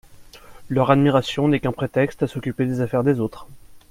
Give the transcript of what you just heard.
Leur admiration n’est qu’un prétexte à s’occuper des affaires des autres.